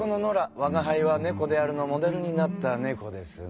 「吾輩は猫である」のモデルになった猫ですね。